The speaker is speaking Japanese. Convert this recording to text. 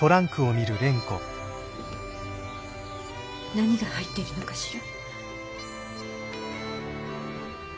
何が入ってるのかしら。